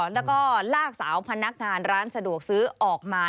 แล้วก็ลากสาวพนักงานร้านสะดวกซื้อออกมา